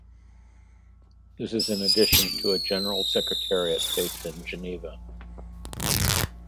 This is in addition to a General Secretariat based in Geneva.